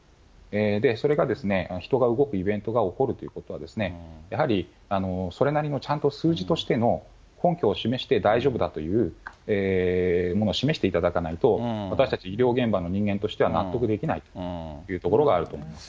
それが人が動くイベントが起こるということは、やはりそれなりのちゃんと数字としての、根拠を示して、大丈夫だというものを示していただかないと、私たち医療現場の人間としては、納得できないというところがあると思います。